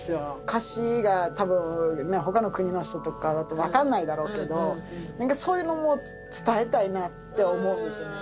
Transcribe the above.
歌詞がたぶんほかの国の人とかだと、分かんないだろうけど、なんかそういうのも伝えたいなって思うんですよね。